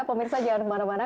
pemirsa jangan kemana mana